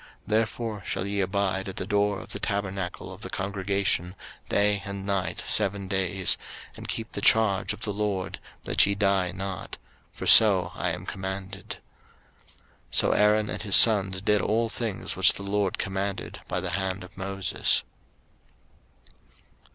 03:008:035 Therefore shall ye abide at the door of the tabernacle of the congregation day and night seven days, and keep the charge of the LORD, that ye die not: for so I am commanded. 03:008:036 So Aaron and his sons did all things which the LORD commanded by the hand of Moses.